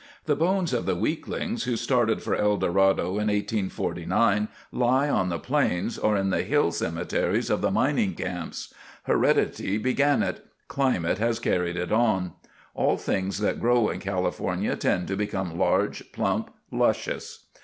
The bones of the weaklings who started for El Dorado in 1849 lie on the plains or in the hill cemeteries of the mining camps. Heredity began it; climate has carried it on. All things that grow in California tend to become large, plump, luscious.